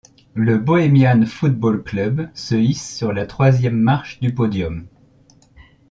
Le Bohemian Football Club se hisse sur la troisième marche du podium.